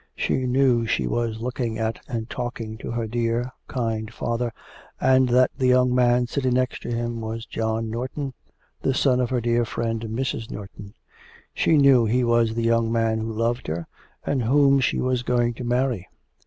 She knew she was looking at and talking to her dear, kind father, and that the young man sitting next him was John Norton, the son of her dear friend, Mrs. Norton; she knew he was the young man who loved her, and whom she was going to marry.